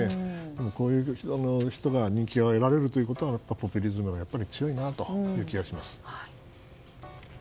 こういう人が人気を得られるということはポピュリズムは強いなという気がします。